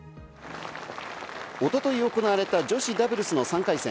おととい行われた女子ダブルスの３回戦。